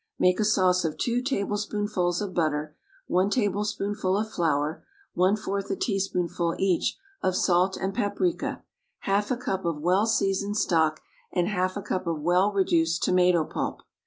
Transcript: Make a sauce of two tablespoonfuls of butter, one tablespoonful of flour, one fourth a teaspoonful, each, of salt and paprica, half a cup of well seasoned stock and half a cup of well reduced tomato pulp.